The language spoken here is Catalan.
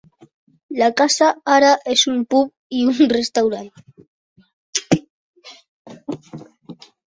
La casa ara és un pub i un restaurant.